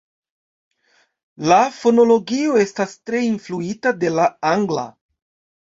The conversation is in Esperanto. La fonologio estas tre influita de la angla.